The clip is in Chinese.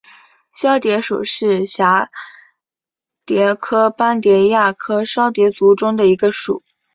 绡蝶属是蛱蝶科斑蝶亚科绡蝶族中的一个属。